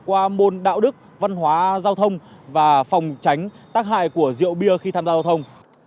qua môn đạo đức văn hóa giao thông và phòng tránh tác hại của rượu bia khi tham gia giao thông